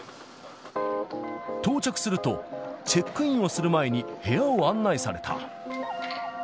到着すると、チェックインをする前に部屋を案内された。